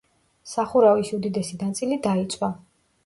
სახურავის უდიდესი ნაწილი დაიწვა.